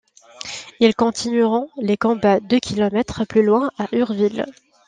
Ils continueront les combats deux kilomètres plus loin à Urville.